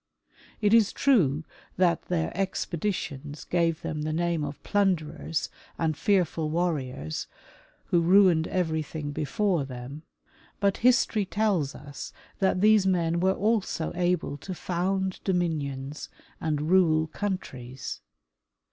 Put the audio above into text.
It is true that their expeditions gave them the name of plun derers and fearful warriors, who ruined everything before them, 134 Magnus Andersen — Norway and the Vikings. but history tells us that these men were also able to found dominions and rule countries.